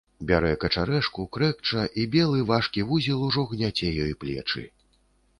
Бярэ качарэжку, крэкча, і белы важкі вузел ужо гняце ёй плечы.